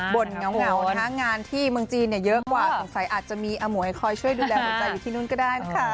บ่นเหงานะคะงานที่เมืองจีนเนี่ยเยอะกว่าสงสัยอาจจะมีอมวยคอยช่วยดูแลหัวใจอยู่ที่นู่นก็ได้นะคะ